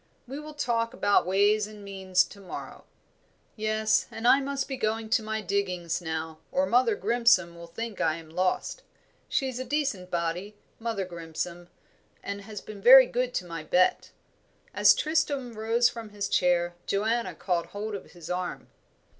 We will talk about ways and means to morrow." "Yes, and I must be going to my diggings now, or Mother Grimson will think I am lost. She's a decent body, Mother Grimson, and has been very good to my Bet." As Tristram rose from his chair, Joanna caught hold of his arm.